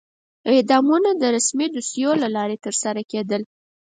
اعدامونه د رسمي دوسیو له لارې ترسره کېدل.